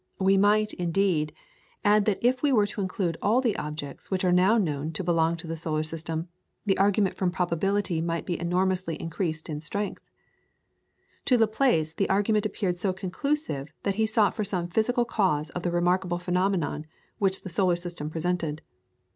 We might, indeed, add that if we were to include all the objects which are now known to belong to the solar system, the argument from probability might be enormously increased in strength. To Laplace the argument appeared so conclusive that he sought for some physical cause of the remarkable phenomenon which the solar system presented.